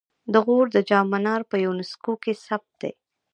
د غور د جام منار په یونسکو کې ثبت دی